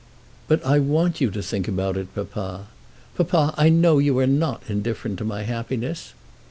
"But I want you to think about it, papa. Papa, I know you are not indifferent to my happiness."